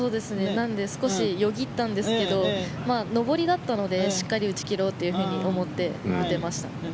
なので少しよぎったんですが上りだったのでしっかり打ち切ろうと思って打てました。